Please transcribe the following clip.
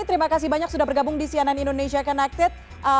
terima kasih banyak sudah bergabung di cnn indonesia connected